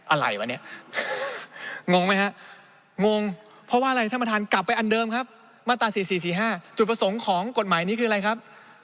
อะไรวะเนี่ยงงไหมฮะงงเพราะว่าอะไรท่านประธานกลับไปอันเดิมครับมาตรา๔๔๕จุดประสงค์ของกฎหมายนี้คืออะไรครับ